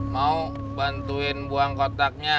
mau bantuin buang kotaknya